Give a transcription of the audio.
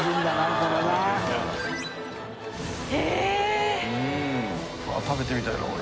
これ食べてみたいな。